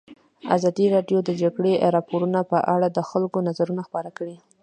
ازادي راډیو د د جګړې راپورونه په اړه د خلکو نظرونه خپاره کړي.